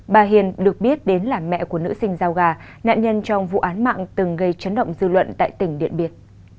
bà hiền được biết đến là mẹ của nữ sinh giao gà nạn nhân trong vụ án mạng từng gây chấn động dư luận tại tỉnh điện biên